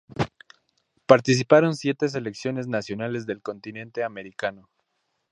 Participaron siete selecciones nacionales del continente americano.